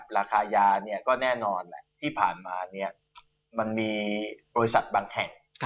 ราคายาก็แน่นอนแหละที่ผ่านมามันมีบริษัทบางแห่ง